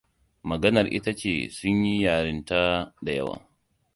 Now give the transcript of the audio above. Maganar ita ce sun yi yarinta da yawa.